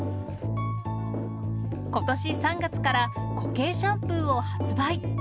ことし３月から、固形シャンプーを発売。